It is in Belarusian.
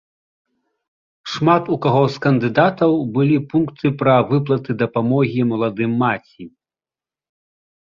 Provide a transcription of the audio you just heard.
Шмат у каго з кандыдатаў былі пункты пра выплаты дапамогі маладым маці.